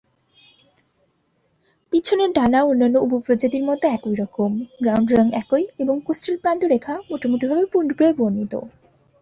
পিছনের ডানা অন্যান্য উপপ্রজাতির মত একইরকম, গ্রাউন্ড রঙ একই এবং কোস্টাল প্রান্তরেখা মোটামুটিভাবে পূর্বে বর্নিত।